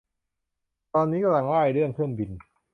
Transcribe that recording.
ตอนนี้กำลังร่ายเรื่องเครื่องบิน